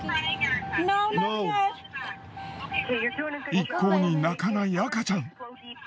一向に泣かない赤ちゃん。